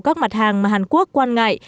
các mặt hàng mà hàn quốc quan ngại